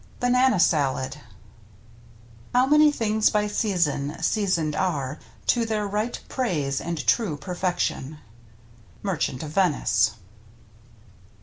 Uf^smttf Mtttiptu ^ BANANA SALAD HoTV many things by season seasoned are To their right praise and true perfection. — Merchant of Venice.